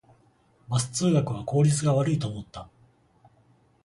バス通学は効率が悪いと思った